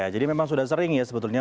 jadi memang sudah sering ya sebetulnya